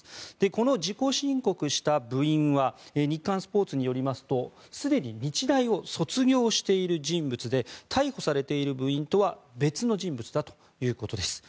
この自己申告した部員は日刊スポーツによりますとすでに日大を卒業している人物で逮捕されている部員とは別の人物だということです。